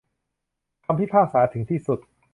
คำพิพากษาถึงที่สุด